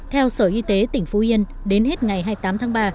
theo sở y tế tỉnh phú yên đến hết ngày hai mươi tám tháng ba